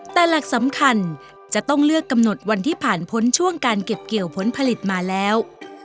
แต่หลักสำคัญจะต้องเลือกกำหนดวันที่ผ่านพ้นช่วงการเก็บเกี่ยวผลผลิตมาแล้ว